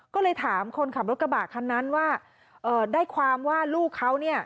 ก็เลยถามคนขับรถกระบะคันนั้นว่าเอ่อได้ความว่าลูกเขาเนี่ย